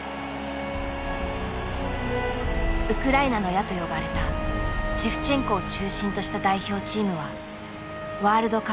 「ウクライナの矢」と呼ばれたシェフチェンコを中心とした代表チームはワールドカップ初出場を果たす。